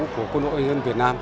của quân đội nhân dân việt nam